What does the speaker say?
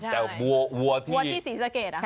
แต่วาที่สีเสร็จ